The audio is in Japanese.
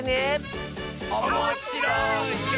おもしろいよ！